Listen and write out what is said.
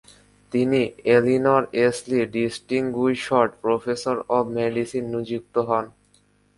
তিনি Eleanor Easley distinguished professor of medicine নিযুক্ত হন।